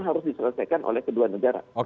harus diselesaikan oleh kedua negara